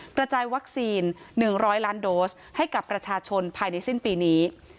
กระจายวัคซีน๑๐๐ล้านโดสให้กับประชาชนภายในสิ้นปีนี้